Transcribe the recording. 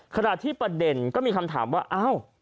ขณะที่ประเด็นก็มีคำถามว่าอ้าว